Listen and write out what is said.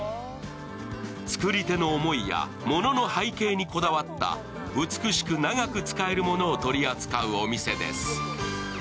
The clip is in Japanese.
作り手の思いや物の背景にこだわった美しく長く使えるものを取り扱うお店です。